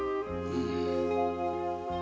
うん。